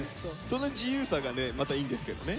その自由さがねまたいいんですけどね。